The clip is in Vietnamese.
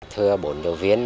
thưa bốn giáo viên